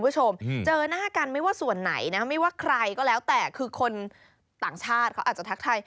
คุณผู้ชมเจอหน้ากันไม่ว่าส่วนไหนนะไม่ว่าใครก็แล้วแต่คือคนต่างชาติเขาอาจจะทักทาย